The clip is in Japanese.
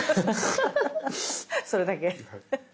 それだけ。